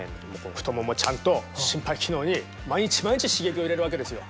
太ももちゃんと心肺機能に毎日毎日刺激を入れるわけですよ。